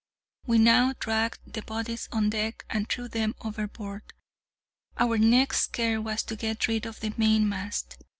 We now dragged the bodies on deck and threw them overboard. Our next care was to get rid of the mainmast.